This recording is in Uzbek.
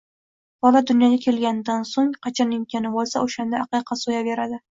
Bola dunyoga kelganidan so‘ng qachon imkoni bo‘lsa, o‘shanda aqiqa so‘yaveradi.